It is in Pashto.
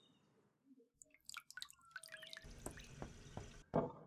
طنز څه ته وايي موضوع او شکل یې په ګوته کړئ.